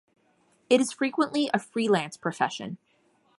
It is frequently a freelance profession.